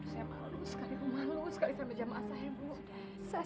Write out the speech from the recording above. saya malu sekali ibu malu sekali sampai jamaah saya bu